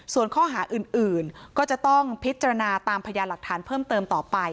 ส่วนข้อหาอื่นก็จะต้องพิจารณาตามพยานหลักฐานเพิ่มเติมต่อไป